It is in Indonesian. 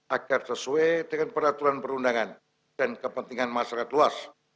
agar sesuai dengan peraturan perundangan dan kepentingan masyarakat luas